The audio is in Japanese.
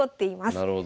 なるほど。